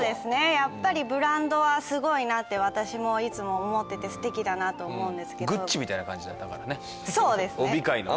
やっぱりブランドはすごいなって私もいつも思っててすてきだなと思うんですけどＧＵＣＣＩみたいな感じだ帯界のね